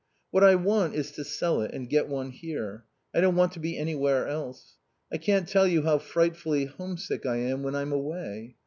"What I want is to sell it and get one here. I don't want to be anywhere else. I can't tell you how frightfully home sick I am when I'm away.